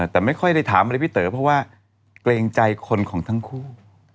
แต่ไม่ค่อยได้ถามอะไรพี่เต๋อเพราะว่าเกรงใจคนของทั้งคู่